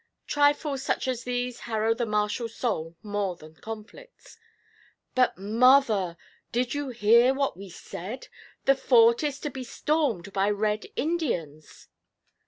Trifles such as these harrow the martial soul more than conflicts. 'But, mother, did you hear what we said? The fort is to be stormed by Red Indians!'